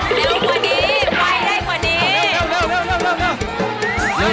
เร็วตักเลย